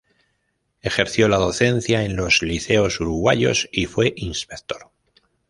Ejerció la docencia en los liceos uruguayos y fue inspector.